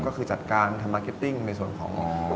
ก็คือจัดการทำมาร์เก็ตติ้งในส่วนของ